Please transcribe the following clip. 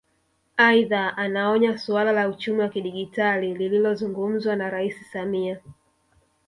Aidha anaonya suala la uchumi wa kidigitali lililozungumzwa na Rais Samia